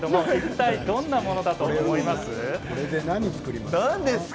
どんなものだと思いますか。